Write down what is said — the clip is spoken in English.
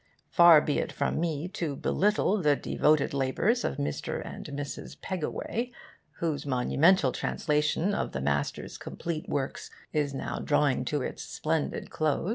Far be it from me to belittle the devoted labours of Mr. and Mrs. Pegaway, whose monumental translation of the Master's complete works is now drawing to its splendid close.